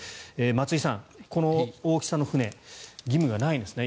松井さん、この大きさの船義務がないんですね